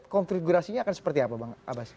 konfigurasinya akan seperti apa bang abbas